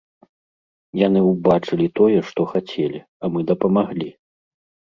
Яны ўбачылі тое, што хацелі, а мы дапамаглі!